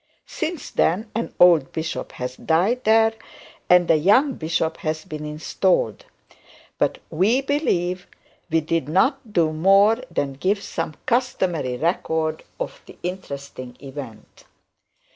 Since then, an old bishop has died there, and a young bishop has been installed; but we believe we did not do more than give some customary record of the interesting event.